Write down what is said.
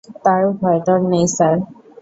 তার ডর-ভয় নেই, স্যার।